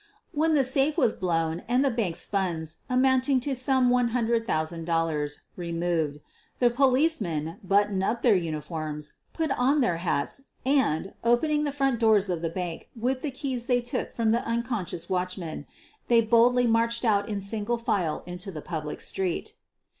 "When the safe was blown and the bank's funds, amounting to some $100,000, removed, the " police men' ' buttoned up their uniforms, put on their hats 180 SOPHIE LYONS and, opening the front doors of the bank with the keys they took from the unconscious watchmen, they boldly marched in single file into the public street.